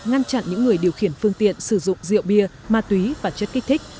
ngăn chặn những người điều khiển phương tiện sử dụng rượu bia ma túy và chất kích thích